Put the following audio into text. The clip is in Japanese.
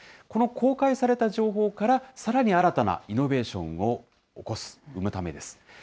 この公開された情報から、さらに新たなイノベーションを起こす、生むためです。